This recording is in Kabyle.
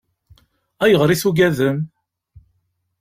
Ayɣer i tugadem?